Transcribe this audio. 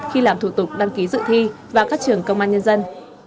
khi làm thủ tục đăng ký dự thi vào các trường công an nhân dân